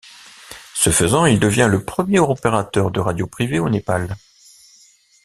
Ce faisant, il devient le premier opérateur de radio privée au Népal.